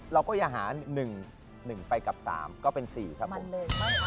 เราก็อย่าหา๑๑ไปกับ๓ก็เป็น๔ครับผม